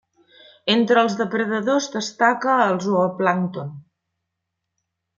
Entre els depredadors destaca el zooplàncton.